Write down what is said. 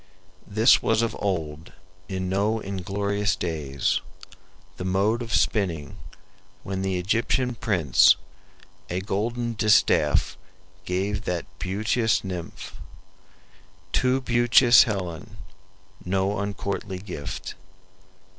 This was of old, in no inglorious days, The mode of spinning, when the Egyptian prince A golden distaff gave that beauteous nymph, Too beauteous Helen; no uncourtly gift."